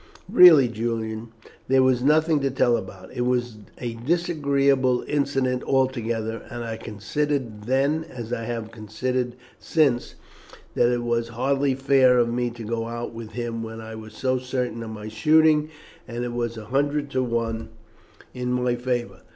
"Really, Julian, there was nothing to tell about. It was a disagreeable incident altogether, and I considered then, as I have considered since, that it was hardly fair of me to go out with him when I was so certain of my shooting, and it was a hundred to one in my favour.